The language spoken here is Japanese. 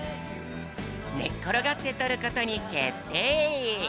ねっころがってとることにけってい！